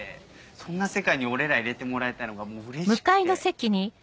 そんな世界に俺ら入れてもらえたのがもううれしくて。